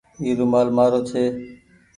اي رومآل مآرو ڇي۔